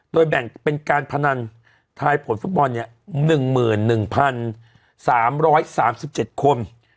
โดยแบ่งเป็นการพนันทายผลฟุตบอล๑๑๓๓๗คน